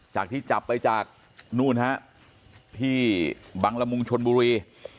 จากที่จับไปจากนู่นฮะที่บังละมุงชนบุรี